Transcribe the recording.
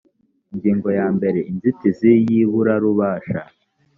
ingingo yambere inzitizi y iburabubasha